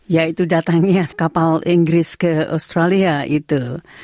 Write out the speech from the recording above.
ya itu datangnya kapal inggris ke australia itu